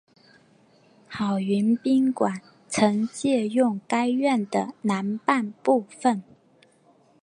好园宾馆曾借用该院的南半部分。